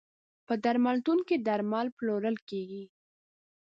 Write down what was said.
په درملتون کې درمل پلورل کیږی.